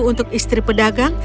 untuk istri pedagang